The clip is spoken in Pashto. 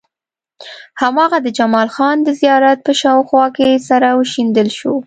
هماغه د جمال خان د زيارت په شاوخوا کې سره وشيندل شو.